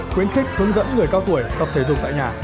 khuyến khích hướng dẫn người cao tuổi tập thể dục tại nhà